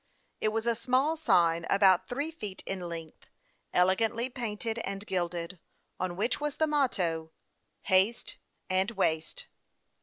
It was a small sign, about three feet in length, 248 HASTE AXD WASTE, OR elegantly painted and gilded, on which was the motto, HASTE AND WASTE.